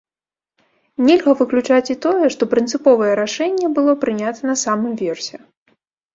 Нельга выключаць і тое, што прынцыповае рашэнне было прынята на самым версе.